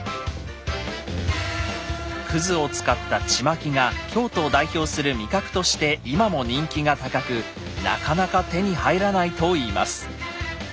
くずを使ったちまきが京都を代表する味覚として今も人気が高くなかなか手に入らないといいます。